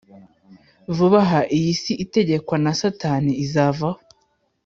Vuba aha iyi si itegekwa na Satani izavaho